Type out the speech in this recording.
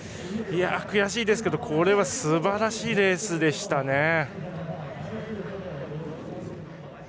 悔しいですけどこれはすばらしいレースでしたね。